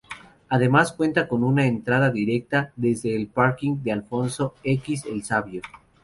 Además cuenta con una entrada directa desde el parking de Alfonso X El Sabio.